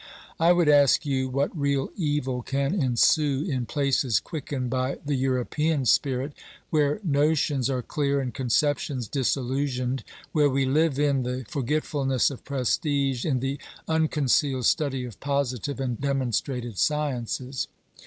I would ask you what real evil can ensue in places quickened by the European spirit, where notions are clear and conceptions disillusionised, where we live in the forgetfulness of prestige, in the uncon cealed study of positive and demonstrated sciences?